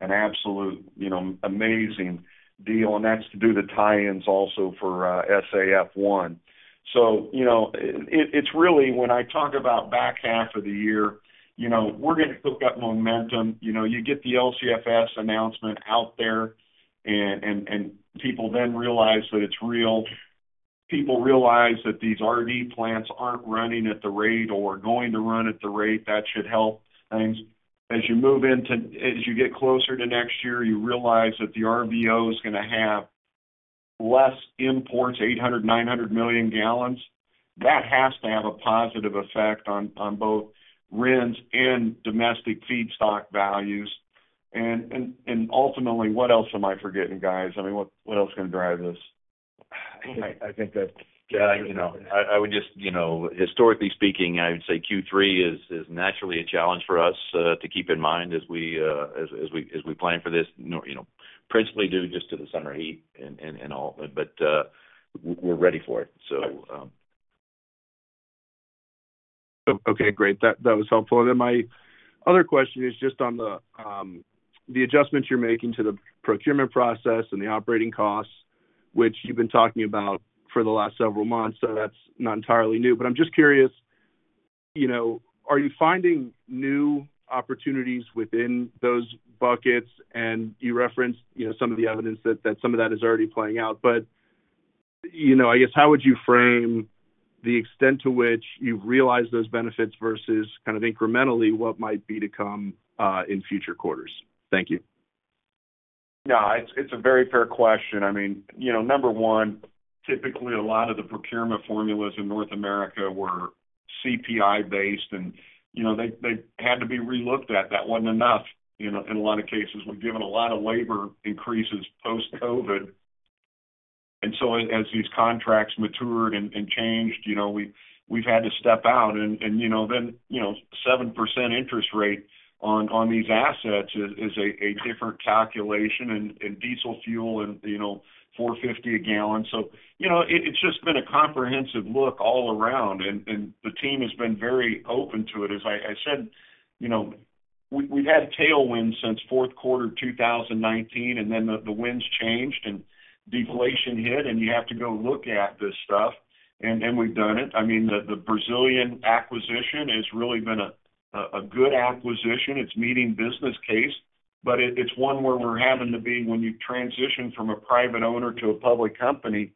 an absolute, you know, amazing deal, and that's to do the tie-ins also for SAF1. So, you know, it, it's really when I talk about back half of the year, you know, we're gonna cook up momentum. You know, you get the LCFS announcement out there and people then realize that it's real. People realize that these RD plants aren't running at the rate or going to run at the rate, that should help things. As you get closer to next year, you realize that the RVO is gonna have less imports, 800, 900 million gal. That has to have a positive effect on both RINs and domestic feedstock values. And ultimately, what else am I forgetting, guys? I mean, what else is gonna drive this? I think that, yeah, you know, I would just, you know, historically speaking, I would say Q3 is naturally a challenge for us to keep in mind as we plan for this, you know, principally due just to the summer heat and all. But we're ready for it, so. Okay, great. That was helpful. Then my other question is just on the adjustments you're making to the procurement process and the operating costs, which you've been talking about for the last several months, so that's not entirely new. But I'm just curious, you know, are you finding new opportunities within those buckets? And you referenced, you know, some of the evidence that some of that is already playing out. But, you know, I guess, how would you frame the extent to which you've realized those benefits versus kind of incrementally what might be to come in future quarters? Thank you. Yeah, it's, it's a very fair question. I mean, you know, number one, typically a lot of the procurement formulas in North America were CPI-based, and, you know, they, they had to be relooked at. That wasn't enough, you know, in a lot of cases. We've given a lot of labor increases post-COVID, and so as, as these contracts matured and, and changed, you know, we, we've had to step out and, and, you know, then, you know, 7% interest rate on, on these assets is, is a, a different calculation, and, and diesel fuel and, you know, $4.50 a gal. So, you know, it, it's just been a comprehensive look all around, and, and the team has been very open to it. As I said, you know, we've had tailwinds since fourth quarter 2019, and then the winds changed and deflation hit, and you have to go look at this stuff, and we've done it. I mean, the Brazilian acquisition has really been a good acquisition. It's meeting business case, but it's one where we're having to be when you transition from a private owner to a public company,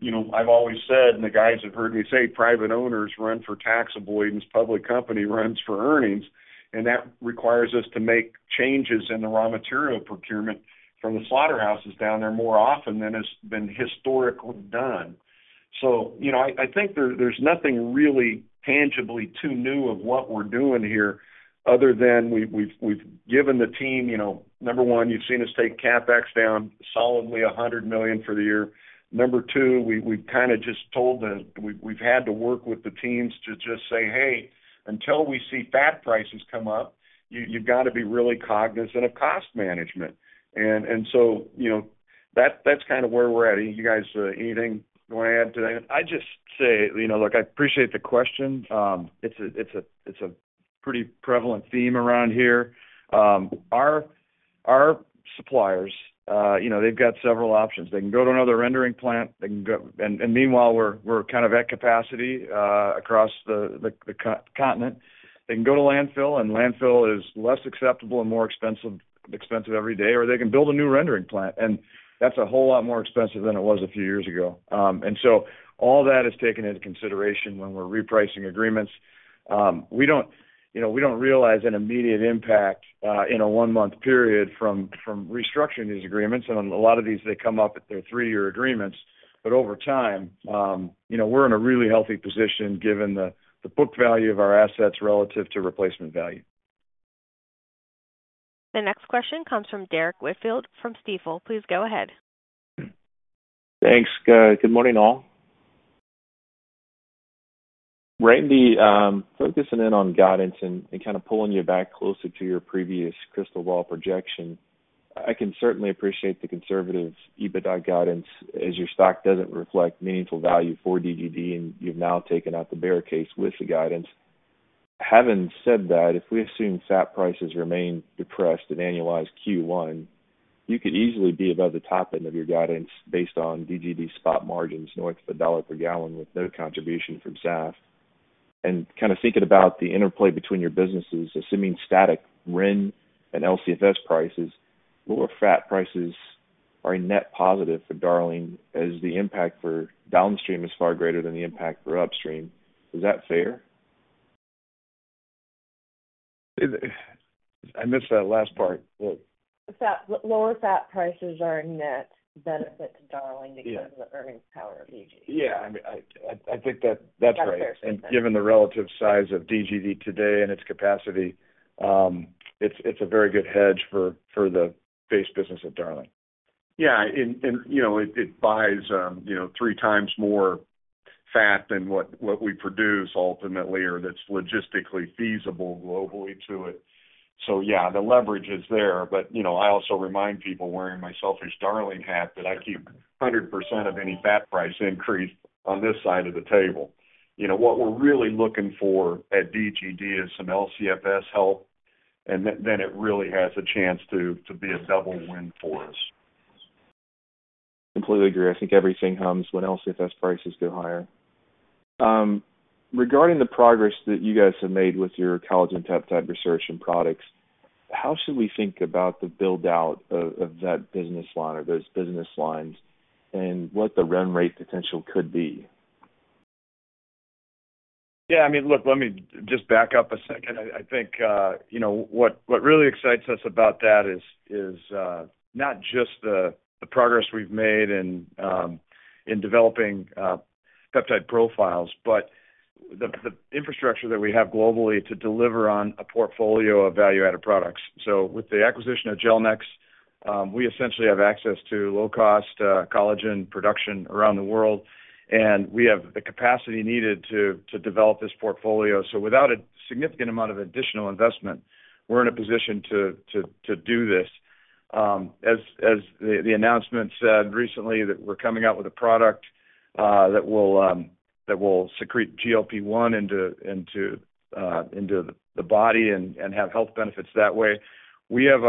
you know, I've always said, and the guys have heard me say, private owners run for tax avoidance, public company runs for earnings, and that requires us to make changes in the raw material procurement from the slaughterhouses down there more often than has been historically done. So, you know, I think there's nothing really tangibly too new of what we're doing here other than we've given the team, you know. Number one, you've seen us take CapEx down solidly $100 million for the year. Number two, we've kind of just had to work with the teams to just say, "Hey, until we see fat prices come up, you've got to be really cognizant of cost management." And so, you know, that's kind of where we're at. You guys, anything you want to add to that? I'd just say, you know, look, I appreciate the question. It's a pretty prevalent theme around here. Our suppliers, you know, they've got several options. They can go to another rendering plant, they can go to landfill, and meanwhile, we're kind of at capacity across the continent. They can go to landfill, and landfill is less acceptable and more expensive every day, or they can build a new rendering plant, and that's a whole lot more expensive than it was a few years ago. And so all that is taken into consideration when we're repricing agreements. We don't, you know, we don't realize an immediate impact in a one-month period from restructuring these agreements, and a lot of these, they come up at their three-year agreements. But over time, you know, we're in a really healthy position, given the book value of our assets relative to replacement value. The next question comes from Derrick Whitfield from Stifel. Please go ahead. Thanks, guys. Good morning, all. Randy, focusing in on guidance and kind of pulling you back closer to your previous crystal ball projection, I can certainly appreciate the conservative EBITDA guidance, as your stock doesn't reflect meaningful value for DGD, and you've now taken out the bear case with the guidance. Having said that, if we assume fat prices remain depressed in annualized Q1, you could easily be above the top end of your guidance based on DGD spot margins north of $1 per gal with no contribution from SAF. Kind of thinking about the interplay between your businesses, assuming static RIN and LCFS prices, lower fat prices are a net positive for Darling, as the impact for downstream is far greater than the impact for upstream. Is that fair? I missed that last part. What? Lower fat prices are a net benefit to Darling. Yeah. -because of the earnings power of DGD. Yeah, I mean, I think that's right. That's fair. Given the relative size of DGD today and its capacity, it's a very good hedge for the base business at Darling. Yeah, and you know, it buys, you know, three times more fat than what we produce ultimately, or that's logistically feasible globally to it. So yeah, the leverage is there, but, you know, I also remind people wearing my selfish Darling hat that I keep 100% of any fat price increase on this side of the table. You know, what we're really looking for at DGD is some LCFS help, and then it really has a chance to be a double win for us. Completely agree. I think everything hums when LCFS prices go higher. Regarding the progress that you guys have made with your collagen peptide research and products, how should we think about the build-out of that business line or those business lines and what the run rate potential could be? Yeah, I mean, look, let me just back up a second. I think, you know, what really excites us about that is not just the progress we've made in developing peptide profiles, but... the infrastructure that we have globally to deliver on a portfolio of value-added products. So with the acquisition of Gelnex, we essentially have access to low-cost collagen production around the world, and we have the capacity needed to develop this portfolio. So without a significant amount of additional investment, we're in a position to do this. As the announcement said recently, that we're coming out with a product that will secrete GLP-1 into the body and have health benefits that way. We have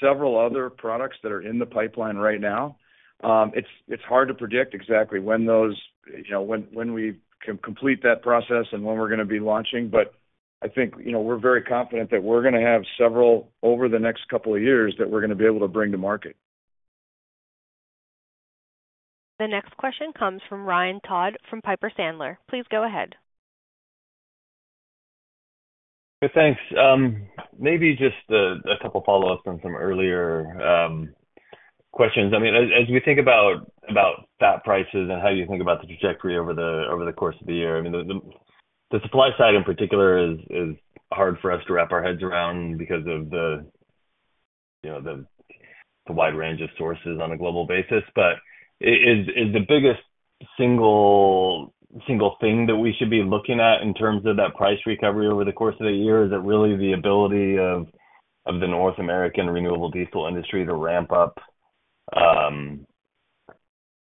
several other products that are in the pipeline right now. It's hard to predict exactly when those, you know, when we can complete that process and when we're gonna be launching. But I think, you know, we're very confident that we're gonna have several over the next couple of years that we're gonna be able to bring to market. The next question comes from Ryan Todd from Piper Sandler. Please go ahead. Thanks. Maybe just a couple follow-ups on some earlier questions. I mean, as we think about fat prices and how you think about the trajectory over the course of the year, I mean, the supply side in particular is hard for us to wrap our heads around because of the, you know, the wide range of sources on a global basis. But is the biggest single thing that we should be looking at in terms of that price recovery over the course of the year, is it really the ability of the North American renewable diesel industry to ramp up,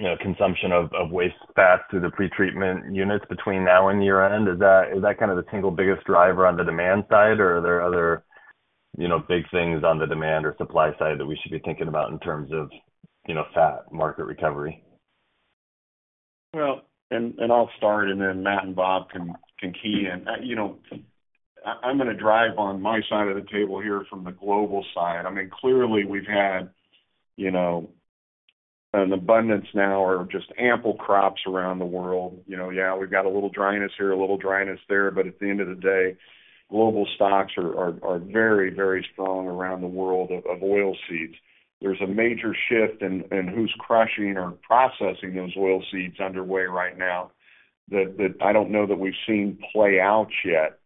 you know, consumption of waste fats through the pretreatment units between now and year-end? Is that, is that kind of the single biggest driver on the demand side, or are there other, you know, big things on the demand or supply side that we should be thinking about in terms of, you know, fat market recovery? Well, I'll start, and then Matt and Bob can key in. You know, I'm gonna drive on my side of the table here from the global side. I mean, clearly, we've had, you know, an abundance now or just ample crops around the world, you know? Yeah, we've got a little dryness here, a little dryness there, but at the end of the day, global stocks are very, very strong around the world of oilseeds. There's a major shift in who's crushing or processing those oilseeds underway right now that I don't know that we've seen play out yet.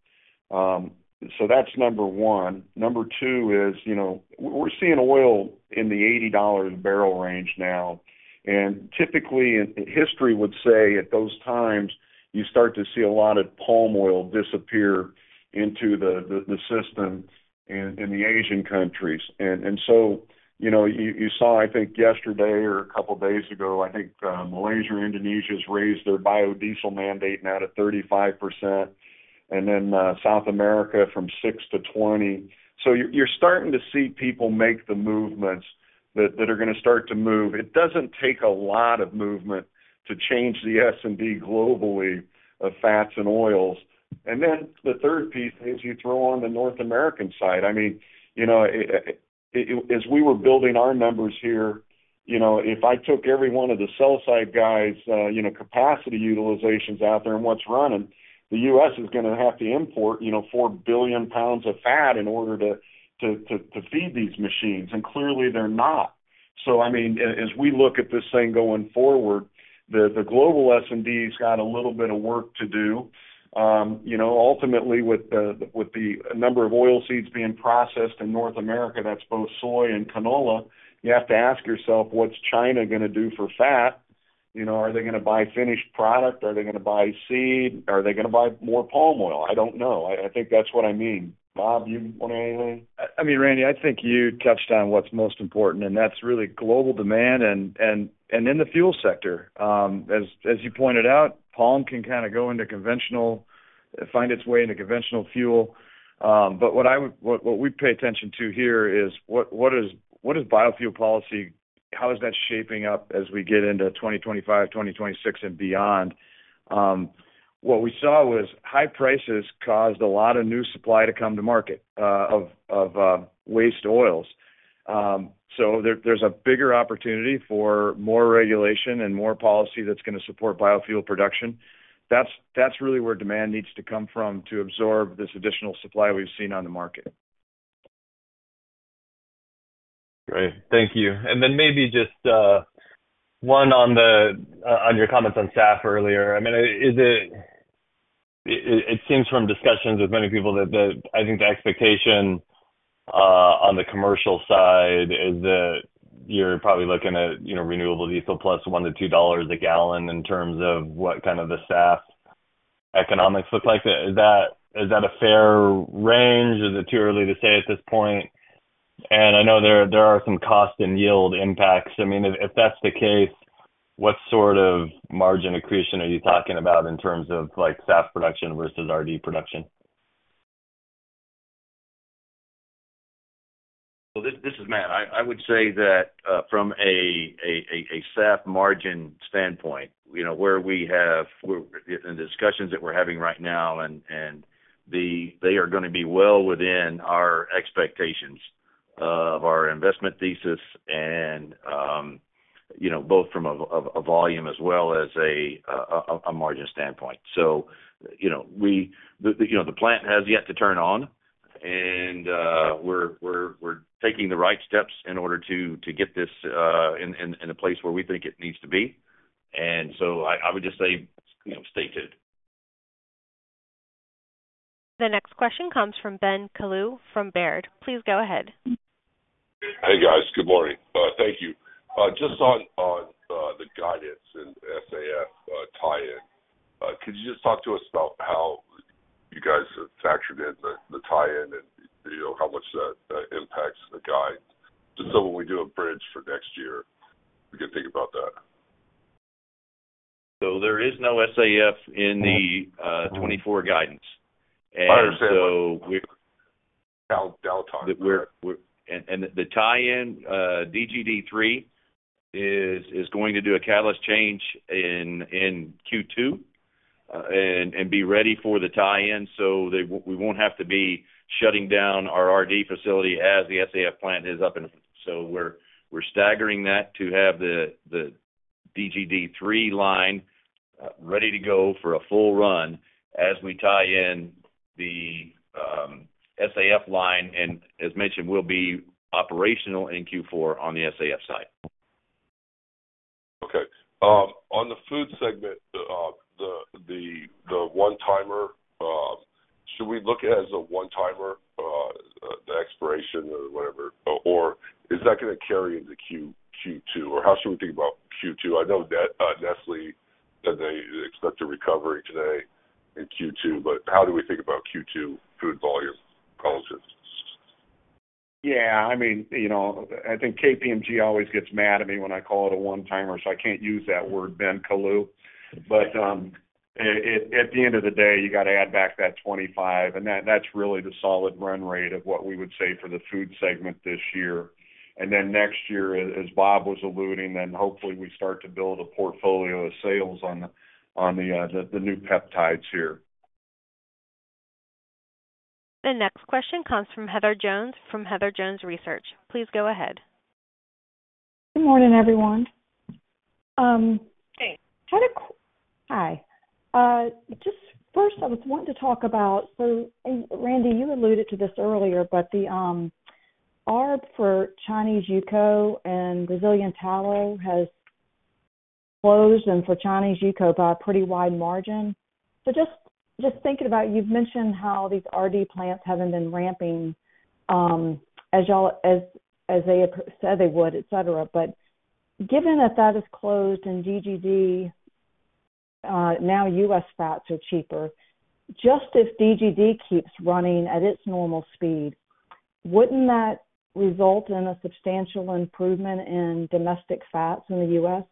So that's number one. Number two is, you know, we're seeing oil in the $80 a barrel range now, and typically, history would say at those times, you start to see a lot of palm oil disappear into the system in the Asian countries. And so, you know, you saw, I think, yesterday or a couple of days ago, I think, Malaysia and Indonesia has raised their biodiesel mandate now to 35%, and then, South America from 6% to 20%. So you're starting to see people make the movements that are gonna start to move. It doesn't take a lot of movement to change the S&D globally of fats and oils. And then the third piece is you throw on the North American side. I mean, you know, as we were building our numbers here, you know, if I took every one of the sell side guys', you know, capacity utilizations out there and what's running, the U.S. is gonna have to import, you know, 4 billion lbs of fat in order to feed these machines, and clearly, they're not. So I mean, as we look at this thing going forward, the global supply's got a little bit of work to do. You know, ultimately, with the number of oilseeds being processed in North America, that's both soy and canola, you have to ask yourself: What's China gonna do for fat? You know, are they gonna buy finished product? Are they gonna buy seed? Are they gonna buy more palm oil? I don't know. I think that's what I mean. Bob, you want to add anything? I mean, Randy, I think you touched on what's most important, and that's really global demand and in the fuel sector. As you pointed out, palm can kind of go into conventional fuel, find its way into conventional fuel. But what we pay attention to here is what is biofuel policy? How is that shaping up as we get into 2025, 2026, and beyond? What we saw was high prices caused a lot of new supply to come to market of waste oils. So there's a bigger opportunity for more regulation and more policy that's gonna support biofuel production. That's really where demand needs to come from to absorb this additional supply we've seen on the market. Great. Thank you. And then maybe just one on the on your comments on SAF earlier. I mean, is it... it seems from discussions with many people that the-- I think the expectation on the commercial side is that you're probably looking at, you know, renewable diesel plus $1-$2 a gal in terms of what kind of the SAF economics look like. Is that a fair range? Is it too early to say at this point? And I know there are some cost and yield impacts. I mean, if that's the case, what sort of margin accretion are you talking about in terms of, like, SAF production versus RD production? Well, this is Matt. I would say that from a SAF margin standpoint, you know, where we have—we're—in the discussions that we're having right now and they are gonna be well within our expectations of our investment thesis and, you know, both from a volume as well as a margin standpoint. So, you know, we... The, you know, the plant has yet to turn on... and we're taking the right steps in order to get this in a place where we think it needs to be. And so I would just say, you know, stay tuned. The next question comes from Ben Kallo from Baird. Please go ahead. Hey, guys. Good morning. Thank you. Just on the guidance and SAF tie-in, could you just talk to us about how you guys have factored in the tie-in and, you know, how much that impacts the guide? Just so when we do a bridge for next year, we can think about that. There is no SAF in the 2024 guidance. I understand. And so we- Delta. And the tie-in, DGD3 is going to do a catalyst change in Q2, and be ready for the tie-in, so we won't have to be shutting down our RD facility as the SAF plant is up and. So we're staggering that to have the DGD3 line ready to go for a full run as we tie in the SAF line, and as mentioned, we'll be operational in Q4 on the SAF side. Okay. On the food segment, the one-timer, should we look at it as a one-timer, the exploration or whatever? Or is that gonna carry into Q2? Or how should we think about Q2? I know that, Nestlé, that they expect a recovery today in Q2, but how do we think about Q2 food volume volumes? Yeah, I mean, you know, I think KPMG always gets mad at me when I call it a one-timer, so I can't use that word, Ben Kallo. But at the end of the day, you got to add back that $25, and that's really the solid run rate of what we would say for the food segment this year. And then next year, as Bob was alluding, then hopefully we start to build a portfolio of sales on the, on the, the new peptides here. The next question comes from Heather Jones, from Heather Jones Research. Please go ahead. Good morning, everyone. Hey. Hi. Just first, I was wanting to talk about... So Randy, you alluded to this earlier, that the arb for Chinese UCO and Brazilian tallow has closed, and for Chinese UCO, by a pretty wide margin. So just thinking about, you've mentioned how these RD plants haven't been ramping as y'all—as they said they would, et cetera. But given that that is closed in DGD, now U.S. fats are cheaper, just as DGD keeps running at its normal speed, wouldn't that result in a substantial improvement in domestic fats in the U.S.?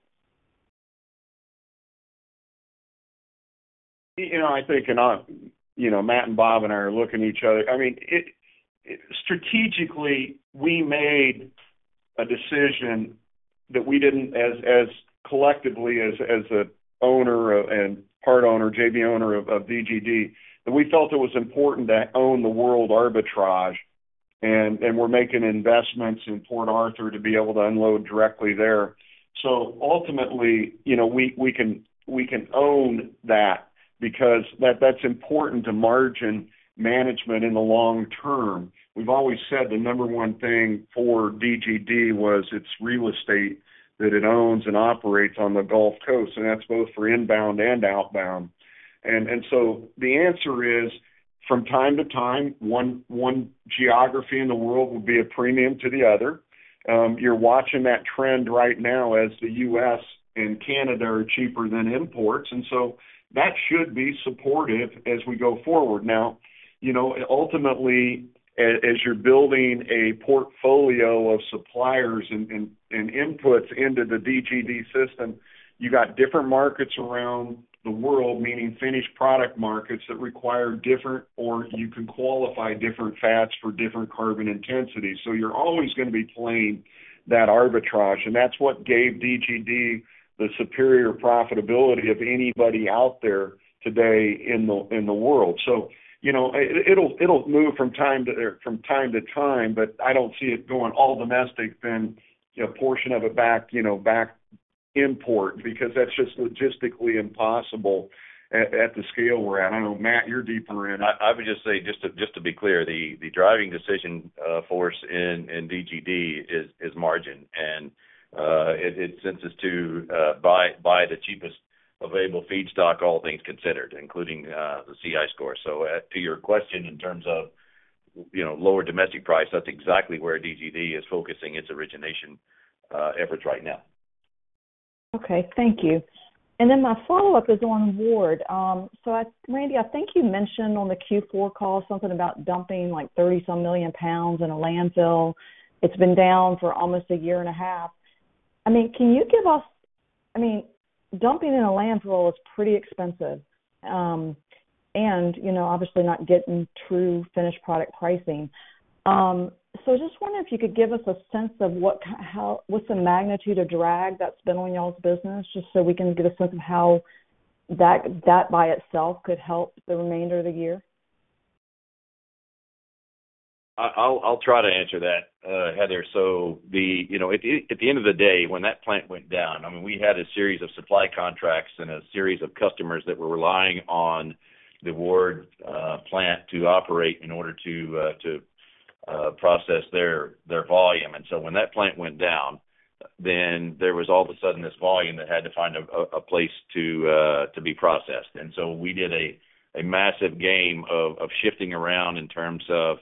You know, I think, and, you know, Matt and Bob and I are looking at each other. I mean, it, strategically, we made a decision that we didn't, as collectively as an owner and part owner, JV owner of DGD, that we felt it was important to own the world arbitrage, and we're making investments in Port Arthur to be able to unload directly there. So ultimately, you know, we can own that because that's important to margin management in the long term. We've always said the number one thing for DGD was its real estate, that it owns and operates on the Gulf Coast, and that's both for inbound and outbound. So the answer is, from time to time, one geography in the world will be a premium to the other. You're watching that trend right now as the U.S. and Canada are cheaper than imports, and so that should be supportive as we go forward. Now, you know, ultimately, as you're building a portfolio of suppliers and inputs into the DGD system, you got different markets around the world, meaning finished product markets that require different, or you can qualify different fats for different carbon intensities. So you're always gonna be playing that arbitrage, and that's what gave DGD the superior profitability of anybody out there today in the world. So, you know, it'll move from time to time, but I don't see it going all domestic, then, you know, a portion of it back import, because that's just logistically impossible at the scale we're at. I know, Matt, you're deeper in. I would just say, just to be clear, the driving force in DGD is margin. And it sends us to buy the cheapest available feedstock, all things considered, including the CI score. So, to your question, in terms of, you know, lower domestic price, that's exactly where DGD is focusing its origination efforts right now. Okay, thank you. And then my follow-up is on Ward. So I, Randy, I think you mentioned on the Q4 call something about dumping, like, 30-some million lbs in a landfill. It's been down for almost a year and a half. I mean, can you give us, I mean, dumping in a landfill is pretty expensive, and, you know, obviously not getting true finished product pricing. So just wondering if you could give us a sense of what's the magnitude of drag that's been on y'all's business, just so we can get a sense of how that, that by itself could help the remainder of the year? I'll try to answer that, Heather. So... You know, at the end of the day, when that plant went down, I mean, we had a series of supply contracts and a series of customers that were relying on the Ward plant to operate in order to process their volume. And so when that plant went down, then there was all of a sudden this volume that had to find a place to be processed. And so we did a massive game of shifting around in terms of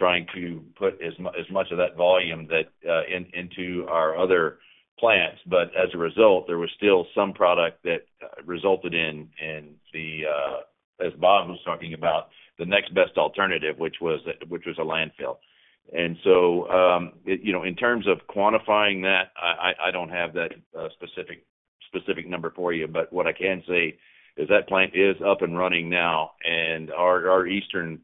trying to put as much of that volume into our other plants. But as a result, there was still some product that resulted in the, as Bob was talking about, the next best alternative, which was a landfill. And so, you know, in terms of quantifying that, I don't have that specific number for you, but what I can say is that plant is up and running now, and our Eastern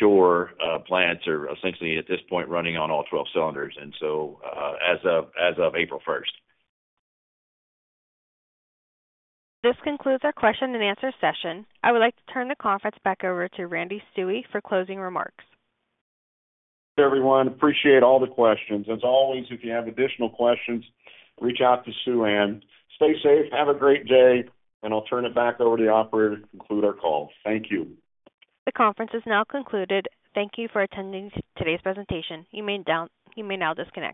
Shore plants are essentially, at this point, running on all 12 cylinders, and so, as of April first. This concludes our question and answer session. I would like to turn the conference back over to Randy Stuewe for closing remarks. Everyone, appreciate all the questions. As always, if you have additional questions, reach out to Suann. Stay safe, have a great day, and I'll turn it back over to the operator to conclude our call. Thank you. The conference is now concluded. Thank you for attending today's presentation. You may now disconnect.